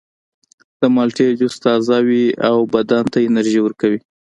د مالټې جوس تازه وي او بدن ته انرژي ورکوي.